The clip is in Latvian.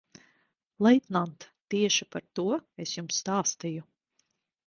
Leitnant, tieši par to es jums stāstīju.